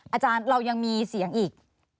อาจารย์เรายังมีเสียงอีก